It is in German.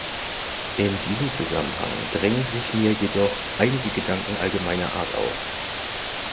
In diesem Zusammenhang drängen sich mir jedoch einige Gedanken allgemeinerer Art auf.